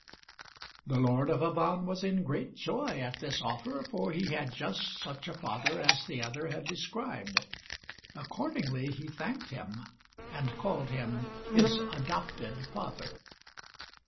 The Lord of Avannes was in great joy at this offer, for he had just such a father as the other had described; accordingly he thanked him, and called him his adopted father.